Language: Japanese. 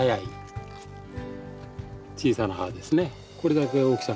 小さな葉ですね。